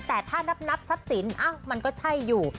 แต่ถ้านับทรัพย์สินมันก็ใช่อยู่